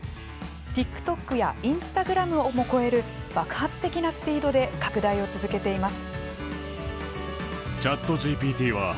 ＴｉｋＴｏｋやインスタグラムをも超える爆発的なスピードで拡大を続けています。